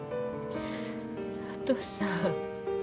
佐都さん。